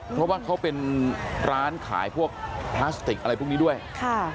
เพราะว่าเขาเป็นร้านขายพวกพลาสติกอะไรพวกนี้ด้วยค่ะ